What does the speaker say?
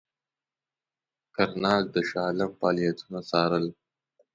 کرناک د شاه عالم فعالیتونه څارل.